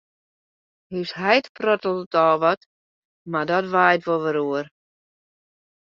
Us heit prottelet al wat, mar dat waait wol wer oer.